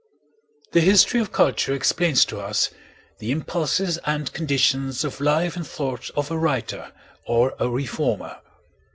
The history of culture explains to us the impulses and conditions of life and thought of a writer or a reformer.